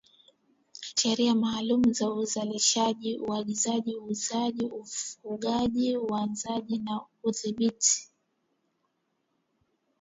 sheria maalum za uzalishaji kuagiza kuuza ufungaji uuzaji na udhibiti